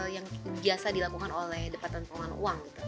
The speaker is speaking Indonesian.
yang biasa dilakukan oleh departemen pengelolaan uang gitu